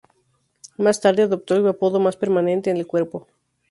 Más tarde, adoptó el apodo más permanente, "El cuerpo".